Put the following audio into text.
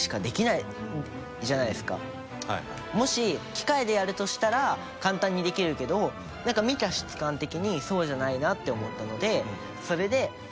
もし機械でやるとしたら簡単にできるけどなんか見た質感的にそうじゃないなって思ったので。